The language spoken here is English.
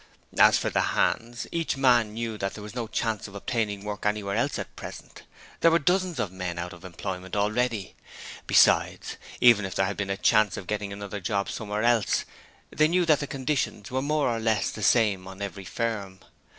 As for the hands, each man knew that there was no chance of obtaining work anywhere else at present; there were dozens of men out of employment already. Besides, even if there had been a chance of getting another job somewhere else, they knew that the conditions were more or less the same on every firm.